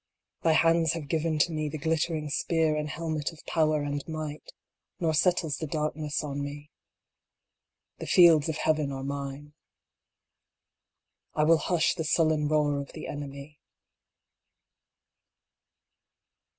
Thy hands have given to me the glittering spear, and hel met of power and might ; Nor settles the darkness on me. The fields of Heaven are mine. I will hush the sullen roar of the enemy.